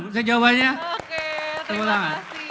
oke terima kasih